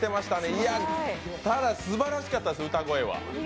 いや、ただすばらしかったです歌声は。